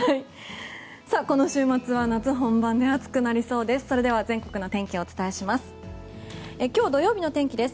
この週末は夏本番で暑くなりそうです。